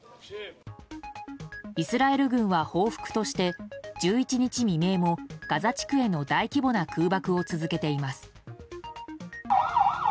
イスラエル軍は報復として１１日未明もガザ地区への大規模な空爆を続けています。